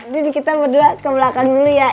jadi kita berdua ke belakang dulu ya